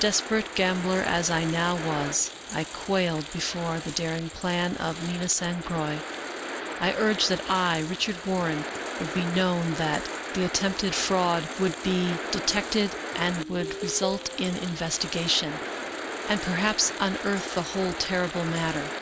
Desperate gambler as I now was, I quailed before the daring plan of Nina San Croix. I urged that I, Richard Warren, would be known, that the 75 American Mystery Stories attempted fraud would be detected and would result in in vestigation, and perhaps unearth the whole horrible matter.